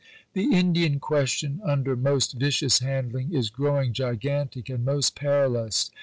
The Indian question under most vicious handling is growing gigantic and most perilous.